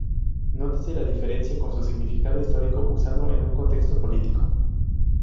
Nótese la diferencia con su significado histórico usado en un contexto político.